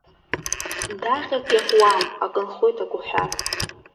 Даҟьак иакуама, акы нхоит ак уҳәар.